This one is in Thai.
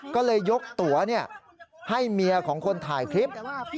ก็เลยยกตัวให้เมียของคนถ่ายคลิป